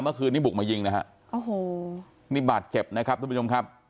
เมื่อคืนนี้บุกมายิงนะฮะโอ้โหนี่บาดเจ็บนะครับทุกผู้ชมครับ